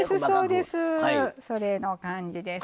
それの感じです。